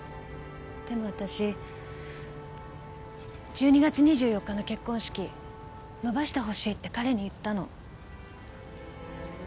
でもあたし１２月２４日の結婚式延ばしてほしいって彼に言ったの。